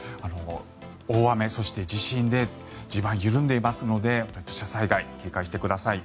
大雨、そして地震で地盤が緩んでいますので土砂災害、警戒してください。